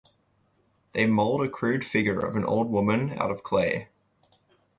They mold a crude figure of an old woman out of clay.